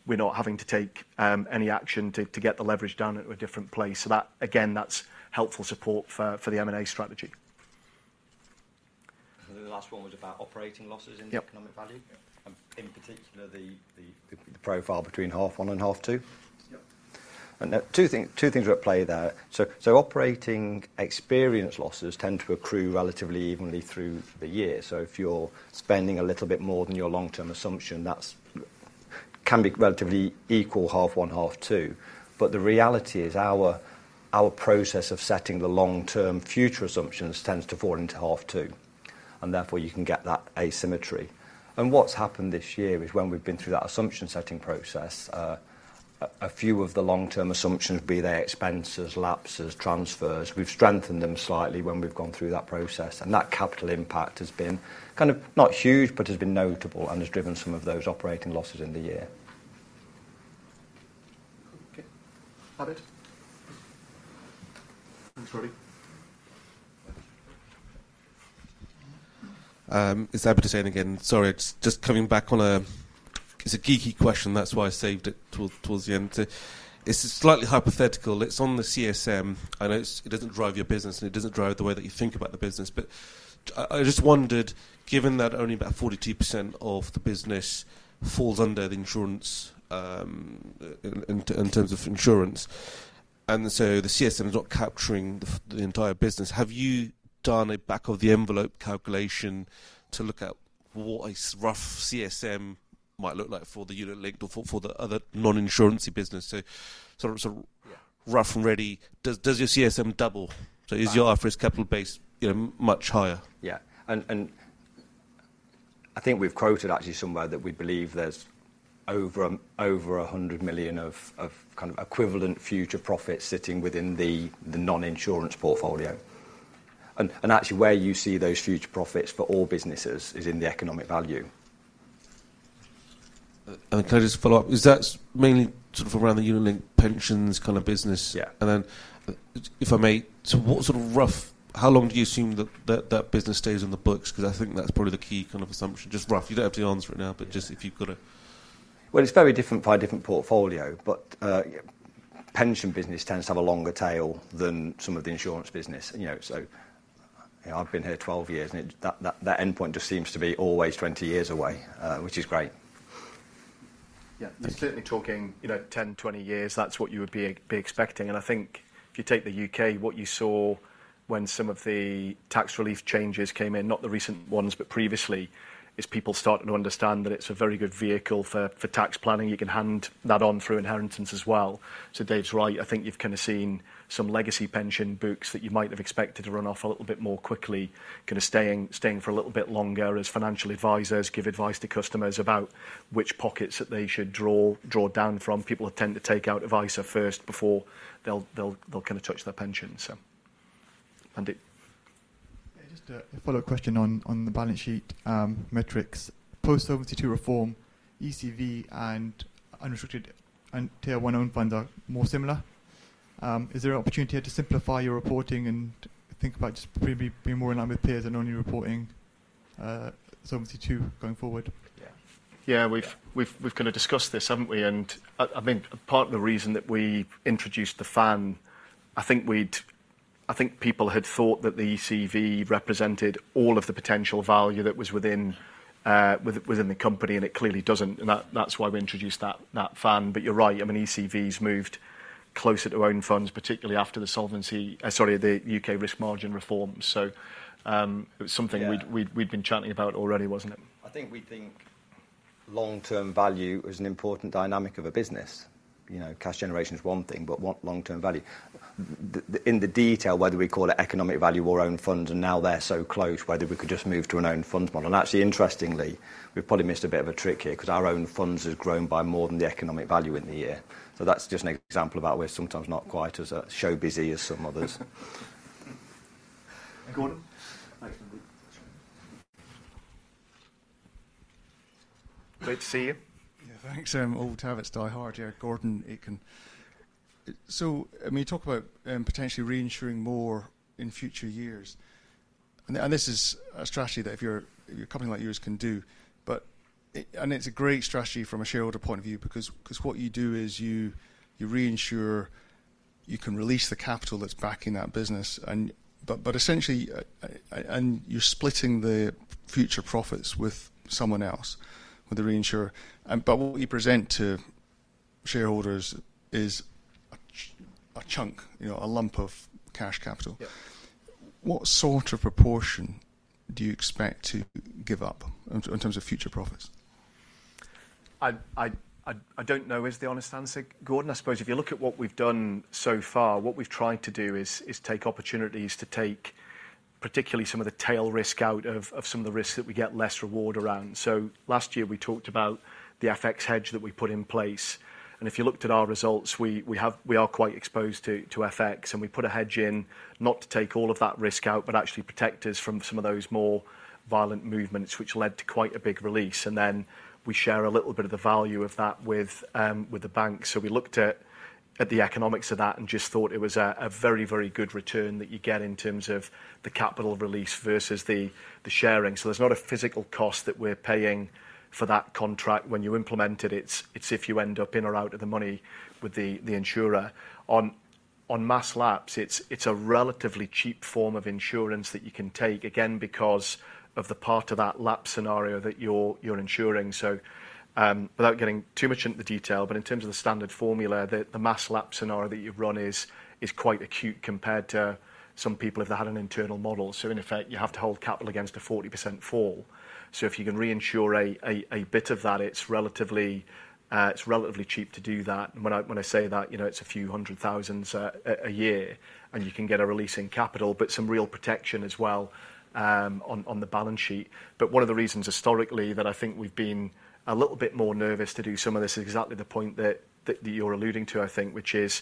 we're not having to take any action to get the leverage done at a different place. So again, that's helpful support for the M&A strategy. The last one was about operating losses in the Economic Value, in particular the profile between half one and half two. Yep. And two things are at play there. So operating experience losses tend to accrue relatively evenly through the year. So if you're spending a little bit more than your long-term assumption, that can be relatively equal half one, half two. But the reality is our process of setting the long-term future assumptions tends to fall into half two. And therefore, you can get that asymmetry. And what's happened this year is when we've been through that assumption setting process, a few of the long-term assumptions, be they expenses, lapses, transfers, we've strengthened them slightly when we've gone through that process. And that capital impact has been kind of not huge, but has been notable and has driven some of those operating losses in the year. Okay. Abid? Okay, thanks. Is Abid Hussain again? Sorry, it's just coming back on. It's a geeky question. That's why I saved it towards the end. It's slightly hypothetical. It's on the CSM. I know it doesn't drive your business. It doesn't drive the way that you think about the business. But I just wondered, given that only about 42% of the business falls under the insurance in terms of insurance, and so the CSM is not capturing the entire business, have you done a back-of-the-envelope calculation to look at what a rough CSM might look like for the unit-linked or for the other non-insurance business? So sort of rough and ready, does your CSM double? So is your IFRS capital base much higher? Yeah. I think we've quoted, actually, somewhere that we believe there's over 100 million of kind of equivalent future profits sitting within the non-insurance portfolio. And actually, where you see those future profits for all businesses is in the Economic Value. I'm going to just follow up. Is that mainly sort of around the unit-linked pensions kind of business? Yeah. And then if I may, so what sort of rough how long do you assume that that business stays on the books? Because I think that's probably the key kind of assumption, just rough. You don't have to answer it now. But just if you've got a. Well, it's very different by different portfolio. But pension business tends to have a longer tail than some of the insurance business. So I've been here 12 years. And that endpoint just seems to be always 20 years away, which is great. Yeah. You're certainly talking 10, 20 years. That's what you would be expecting. And I think if you take the U.K., what you saw when some of the tax relief changes came in, not the recent ones, but previously, is people starting to understand that it's a very good vehicle for tax planning. You can hand that on through inheritance as well. So Dave's right. I think you've kind of seen some legacy pension books that you might have expected to run off a little bit more quickly, kind of staying for a little bit longer as financial advisors give advice to customers about which pockets that they should draw down from. People tend to take out advice first before they'll kind of touch their pension, so. Mandeep? Just a follow-up question on the balance sheet metrics. Post-Solvency II reform, EcV, and unrestricted Tier 1 own funds are more similar. Is there an opportunity here to simplify your reporting and think about just being more in line with peers and only reporting Solvency II going forward? Yeah. Yeah. We've kind of discussed this, haven't we? And I mean, part of the reason that we introduced the Fan, I think people had thought that the EcV represented all of the potential value that was within the company. And it clearly doesn't. And that's why we introduced that Fan. But you're right. I mean, EcVs moved closer to own funds, particularly after the solvency sorry, the U.K. risk margin reform. So it was something we'd been chatting about already, wasn't it? I think we think long-term value is an important dynamic of a business. Cash generation is one thing. But what long-term value? In the detail, whether we call it Economic Value or own funds and now they're so close, whether we could just move to an own funds model. And actually, interestingly, we've probably missed a bit of a trick here because our own funds have grown by more than the Economic Value in the year. So that's just an example about how we're sometimes not quite as showy as some others. Gordon? Great to see you. Yeah. Thanks all for having us today. Yeah. Gordon Aitken. So I mean, you talk about potentially reinsuring more in future years. And this is a strategy that a company like yours can do. And it's a great strategy from a shareholder point of view because what you do is you reinsure. You can release the capital that's backing that business. And you're splitting the future profits with someone else, with the reinsurer. But what you present to shareholders is a chunk, a lump of cash capital. What sort of proportion do you expect to give up in terms of future profits? I don't know is the honest answer, Gordon. I suppose if you look at what we've done so far, what we've tried to do is take opportunities to take particularly some of the tail risk out of some of the risks that we get less reward around. So last year, we talked about the FX hedge that we put in place. And if you looked at our results, we are quite exposed to FX. And we put a hedge in not to take all of that risk out, but actually protect us from some of those more violent movements, which led to quite a big release. And then we share a little bit of the value of that with the bank. So we looked at the economics of that and just thought it was a very, very good return that you get in terms of the capital release versus the sharing. So there's not a physical cost that we're paying for that contract when you implement it. It's if you end up in or out of the money with the insurer. On mass lapses, it's a relatively cheap form of insurance that you can take, again, because of the part of that lapse scenario that you're insuring. So without getting too much into the detail, but in terms of the standard formula, the mass lapse scenario that you've run is quite acute compared to some people if they had an internal model. So in effect, you have to hold capital against a 40% fall. So if you can reinsure a bit of that, it's relatively cheap to do that. And when I say that, it's a few hundred thousand a year. And you can get a release in capital, but some real protection as well on the balance sheet. But one of the reasons historically that I think we've been a little bit more nervous to do some of this is exactly the point that you're alluding to, I think, which is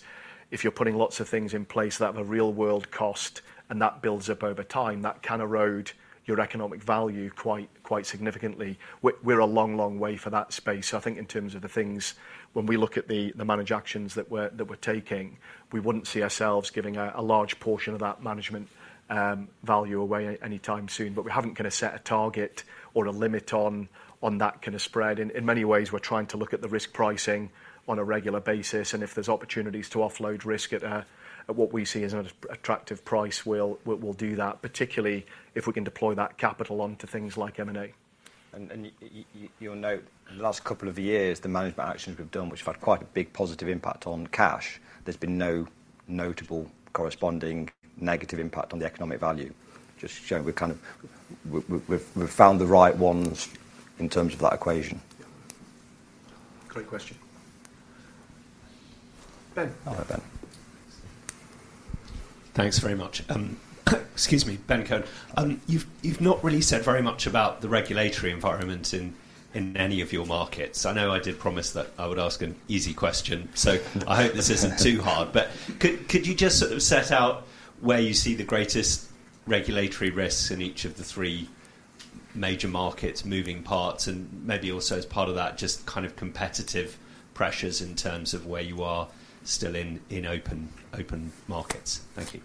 if you're putting lots of things in place that have a real-world cost and that builds up over time, that can erode your Economic Value quite significantly. We're a long, long way for that space. So I think in terms of the things, when we look at the managed actions that we're taking, we wouldn't see ourselves giving a large portion of that management value away anytime soon. But we haven't kind of set a target or a limit on that kind of spread. In many ways, we're trying to look at the risk pricing on a regular basis. If there's opportunities to offload risk at what we see as an attractive price, we'll do that, particularly if we can deploy that capital onto things like M&A. You'll note the last couple of years, the management actions we've done, which have had quite a big positive impact on cash. There's been no notable corresponding negative impact on the Economic Value, just showing we've kind of found the right ones in terms of that equation. Great question. Ben. All right, Ben. Thanks very much. Excuse me, Ben Cohen. You've not really said very much about the regulatory environment in any of your markets. I know I did promise that I would ask an easy question. So I hope this isn't too hard. But could you just sort of set out where you see the greatest regulatory risks in each of the three major markets moving parts? And maybe also as part of that, just kind of competitive pressures in terms of where you are still in open markets. Thank you.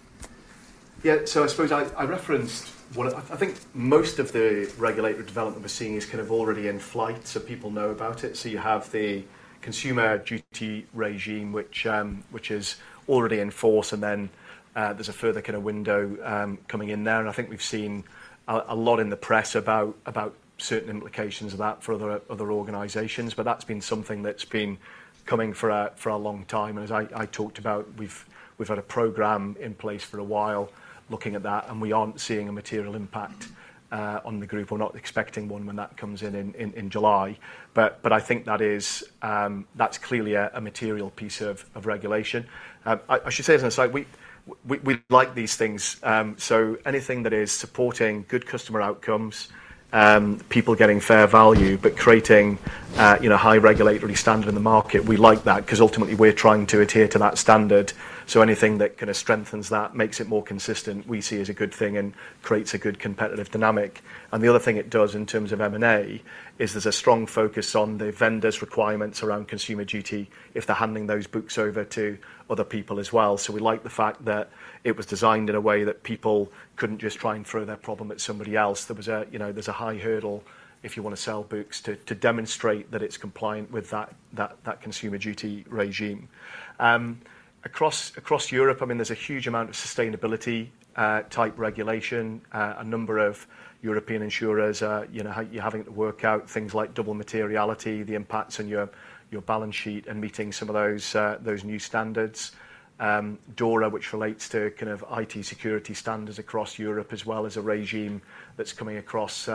Yeah. So I suppose I referenced what I think most of the regulatory development we're seeing is kind of already in flight. So people know about it. So you have the Consumer Duty regime, which is already in force. And then there's a further kind of window coming in there. I think we've seen a lot in the press about certain implications of that for other organizations. That's been something that's been coming for a long time. As I talked about, we've had a program in place for a while looking at that. We aren't seeing a material impact on the group. We're not expecting one when that comes in in July. I think that's clearly a material piece of regulation. I should say, as an aside, we like these things. Anything that is supporting good customer outcomes, people getting fair value, but creating a high regulatory standard in the market, we like that because ultimately, we're trying to adhere to that standard. Anything that kind of strengthens that, makes it more consistent, we see as a good thing and creates a good competitive dynamic. The other thing it does in terms of M&A is there's a strong focus on the vendors' requirements around Consumer Duty if they're handing those books over to other people as well. So we like the fact that it was designed in a way that people couldn't just try and throw their problem at somebody else. There's a high hurdle if you want to sell books to demonstrate that it's compliant with that Consumer Duty regime. Across Europe, I mean, there's a huge amount of sustainability-type regulation. A number of European insurers are having to work out things like double materiality, the impacts on your balance sheet, and meeting some of those new standards, DORA, which relates to kind of IT security standards across Europe, as well as a regime that's coming across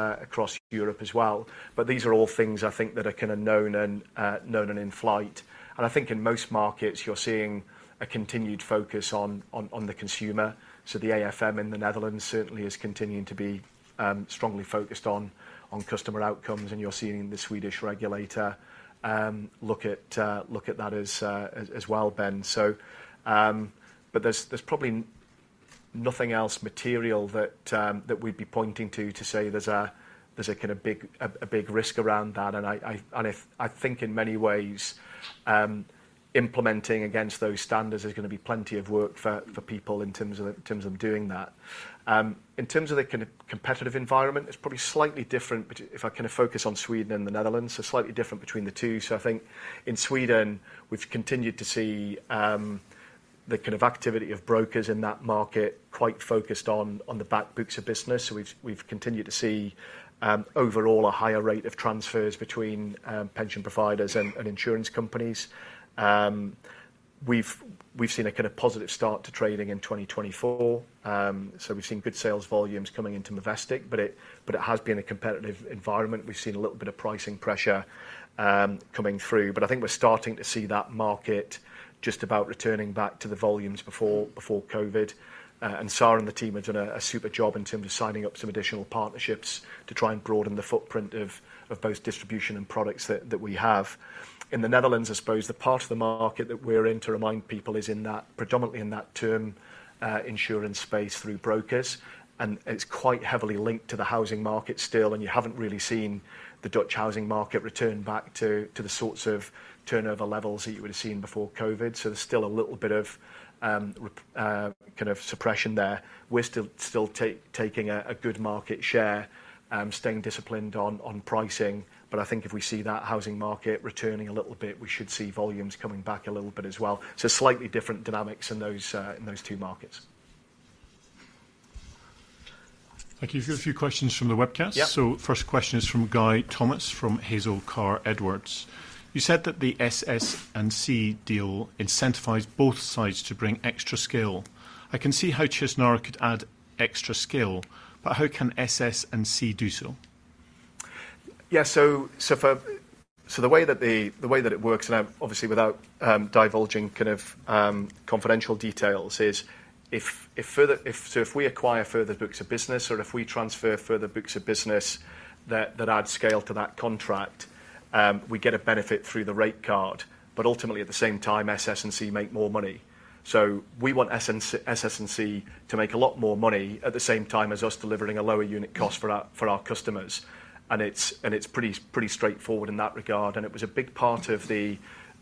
Europe as well. But these are all things, I think, that are kind of known and in flight. And I think in most markets, you're seeing a continued focus on the consumer. So the AFM in the Netherlands certainly is continuing to be strongly focused on customer outcomes. And you're seeing the Swedish regulator look at that as well, Ben. But there's probably nothing else material that we'd be pointing to to say there's a kind of big risk around that. And I think in many ways, implementing against those standards is going to be plenty of work for people in terms of them doing that. In terms of the kind of competitive environment, it's probably slightly different if I kind of focus on Sweden and the Netherlands. So slightly different between the two. So I think in Sweden, we've continued to see the kind of activity of brokers in that market quite focused on the back books of business. So we've continued to see overall a higher rate of transfers between pension providers and insurance companies. We've seen a kind of positive start to trading in 2024. So we've seen good sales volumes coming into Movestic. But it has been a competitive environment. We've seen a little bit of pricing pressure coming through. But I think we're starting to see that market just about returning back to the volumes before COVID. And Sara and the team have done a super job in terms of signing up some additional partnerships to try and broaden the footprint of both distribution and products that we have. In the Netherlands, I suppose the part of the market that we're in to remind people is predominantly in that term insurance space through brokers. It's quite heavily linked to the housing market still. You haven't really seen the Dutch housing market return back to the sorts of turnover levels that you would have seen before COVID. There's still a little bit of kind of suppression there. We're still taking a good market share, staying disciplined on pricing. I think if we see that housing market returning a little bit, we should see volumes coming back a little bit as well. Slightly different dynamics in those two markets. Thank you. We've got a few questions from the webcast. So first question is from Guy Thomas from Hazell Carr Edwards. You said that the SS&C deal incentivized both sides to bring extra scale. I can see how Chesnara could add extra scale. But how can SS&C do so? Yeah. So the way that it works, and obviously without divulging kind of confidential details, is if we acquire further books of business or if we transfer further books of business that add scale to that contract, we get a benefit through the rate card. But ultimately, at the same time, SS&C make more money. So we want SS&C to make a lot more money at the same time as us delivering a lower unit cost for our customers. And it's pretty straightforward in that regard. And it was a big part of the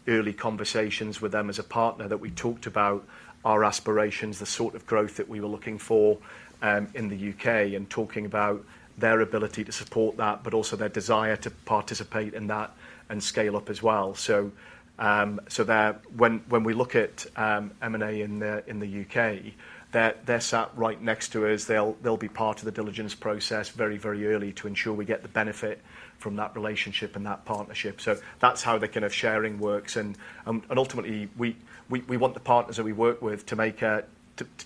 early conversations with them as a partner that we talked about our aspirations, the sort of growth that we were looking for in the U.K., and talking about their ability to support that, but also their desire to participate in that and scale up as well. So when we look at M&A in the U.K., they're sat right next to us. They'll be part of the diligence process very, very early to ensure we get the benefit from that relationship and that partnership. So that's how the kind of sharing works. And ultimately, we want the partners that we work with to make a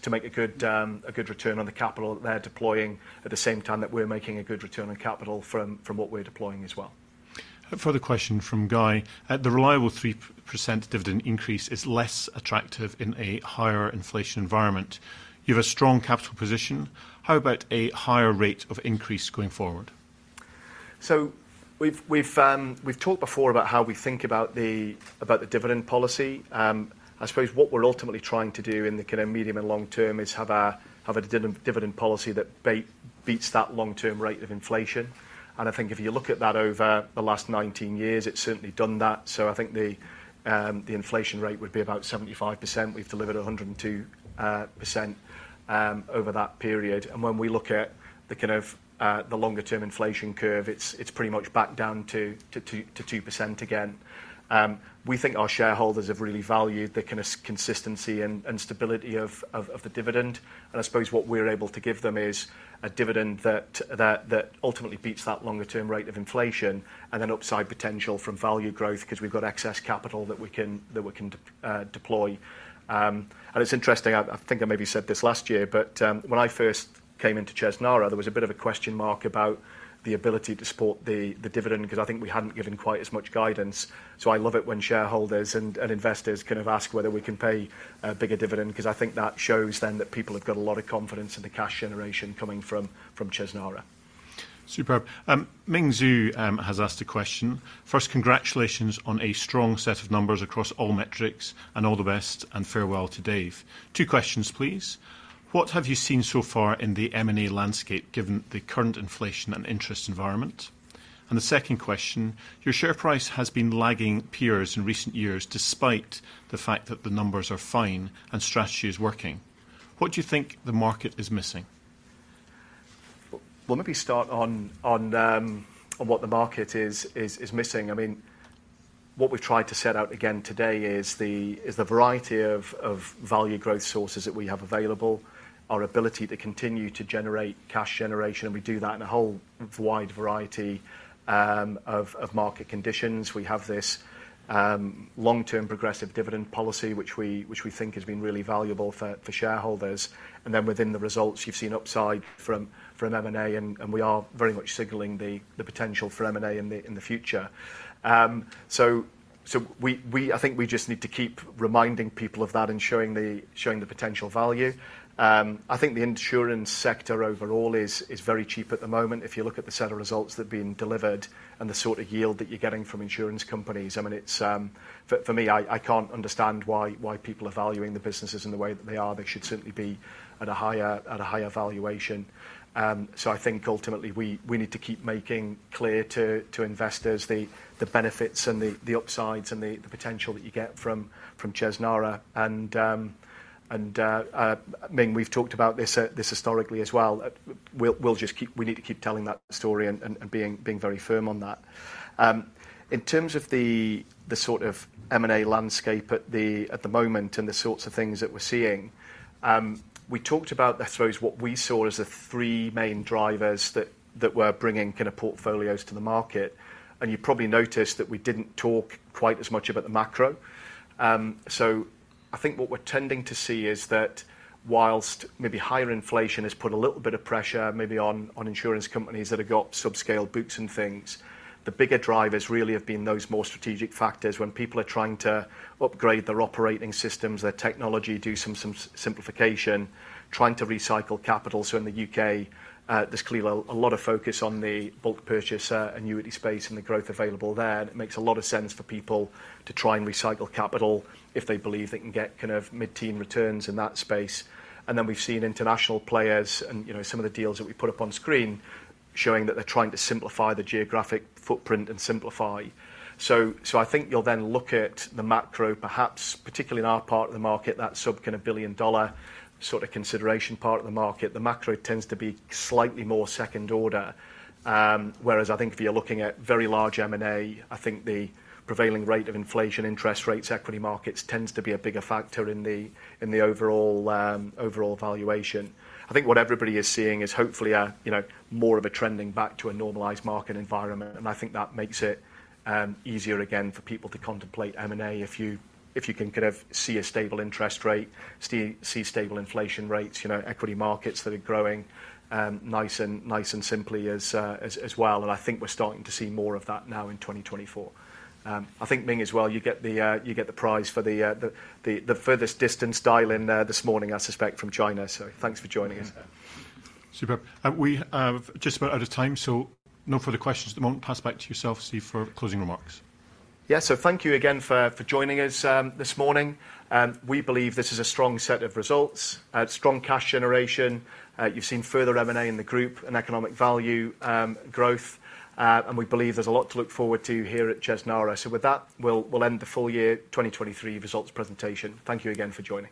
good return on the capital that they're deploying at the same time that we're making a good return on capital from what we're deploying as well. Further question from Guy. The reliable 3% dividend increase is less attractive in a higher inflation environment. You have a strong capital position. How about a higher rate of increase going forward? We've talked before about how we think about the dividend policy. I suppose what we're ultimately trying to do in the kind of medium and long term is have a dividend policy that beats that long-term rate of inflation. I think if you look at that over the last 19 years, it's certainly done that. I think the inflation rate would be about 75%. We've delivered 102% over that period. When we look at the kind of longer-term inflation curve, it's pretty much back down to 2% again. We think our shareholders have really valued the kind of consistency and stability of the dividend. I suppose what we're able to give them is a dividend that ultimately beats that longer-term rate of inflation and then upside potential from value growth because we've got excess capital that we can deploy. It's interesting. I think I maybe said this last year. But when I first came into Chesnara, there was a bit of a question mark about the ability to support the dividend because I think we hadn't given quite as much guidance. So I love it when shareholders and investors kind of ask whether we can pay a bigger dividend because I think that shows then that people have got a lot of confidence in the cash generation coming from Chesnara. Superb. Ming Zhu has asked a question. First, congratulations on a strong set of numbers across all metrics. All the best and farewell to Dave. Two questions, please. What have you seen so far in the M&A landscape given the current inflation and interest environment? The second question. Your share price has been lagging peers in recent years despite the fact that the numbers are fine and strategy is working. What do you think the market is missing? Well, let me start on what the market is missing. I mean, what we've tried to set out again today is the variety of value growth sources that we have available, our ability to continue to generate cash generation. And we do that in a whole wide variety of market conditions. We have this long-term progressive dividend policy, which we think has been really valuable for shareholders. And then within the results, you've seen upside from M&A. And we are very much signalling the potential for M&A in the future. So I think we just need to keep reminding people of that and showing the potential value. I think the insurance sector overall is very cheap at the moment. If you look at the set of results that have been delivered and the sort of yield that you're getting from insurance companies, I mean, for me, I can't understand why people are valuing the businesses in the way that they are. They should certainly be at a higher valuation. So I think ultimately, we need to keep making clear to investors the benefits and the upsides and the potential that you get from Chesnara. And Ming, we've talked about this historically as well. We need to keep telling that story and being very firm on that. In terms of the sort of M&A landscape at the moment and the sorts of things that we're seeing, we talked about, I suppose, what we saw as the three main drivers that were bringing kind of portfolios to the market. You probably noticed that we didn't talk quite as much about the macro. I think what we're tending to see is that while maybe higher inflation has put a little bit of pressure maybe on insurance companies that have got sub-scale books and things, the bigger drivers really have been those more strategic factors when people are trying to upgrade their operating systems, their technology, do some simplification, trying to recycle capital. In the U.K., there's clearly a lot of focus on the bulk purchase annuity space and the growth available there. It makes a lot of sense for people to try and recycle capital if they believe they can get kind of mid-teen returns in that space. Then we've seen international players and some of the deals that we put up on screen showing that they're trying to simplify the geographic footprint and simplify. So I think you'll then look at the macro, perhaps particularly in our part of the market, that sub-kind of billion-dollar sort of consideration part of the market. The macro tends to be slightly more second order. Whereas I think if you're looking at very large M&A, I think the prevailing rate of inflation, interest rates, equity markets tends to be a bigger factor in the overall valuation. I think what everybody is seeing is hopefully more of a trending back to a normalized market environment. And I think that makes it easier again for people to contemplate M&A if you can kind of see a stable interest rate, see stable inflation rates, equity markets that are growing nice and simply as well. And I think we're starting to see more of that now in 2024. I think, Ming, as well, you get the prize for the farthest distance dial-in this morning, I suspect, from China. So thanks for joining us. Superb. We are just about out of time. No further questions at the moment. Pass back to yourself, Steve, for closing remarks. Yeah. So thank you again for joining us this morning. We believe this is a strong set of results, strong cash generation. You've seen further M&A in the group and Economic Value growth. And we believe there's a lot to look forward to here at Chesnara. So with that, we'll end the full year 2023 results presentation. Thank you again for joining.